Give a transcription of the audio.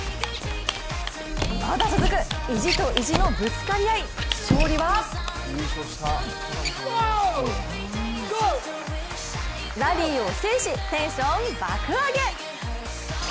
まだ続く、意地と意地のぶつかり合い、勝利はラリーを制し、テンション爆上げ！